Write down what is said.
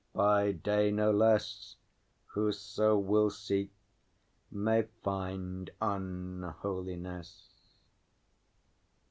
By day no less, Whoso will seek may find unholiness.